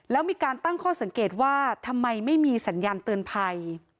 แล้วมีการตั้งข้อสังเกตว่าทำไมไม่มีสัญญาณเตือนภัย